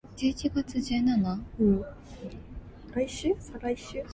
歡迎大家得閒入去俾啲意見